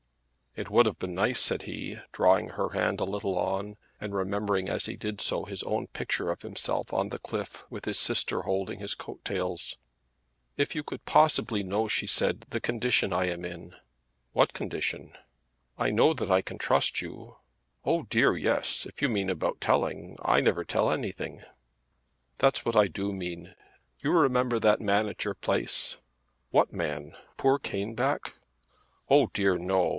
"It would have been nice," said he, drawing her hand a little on, and remembering as he did so his own picture of himself on the cliff with his sister holding his coat tails. "If you could possibly know," she said, "the condition I am in." "What condition?" "I know that I can trust you. I am sure that I can trust you." "Oh dear, yes. If you mean about telling, I never tell anything." "That's what I do mean. You remember that man at your place?" "What man? Poor Caneback?" "Oh dear no!